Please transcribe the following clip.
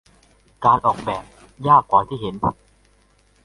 การออกแบบยากกว่าที่เห็น